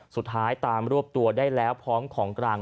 สุดท้ายตามรวบตัวได้แล้วพร้อมของกลาง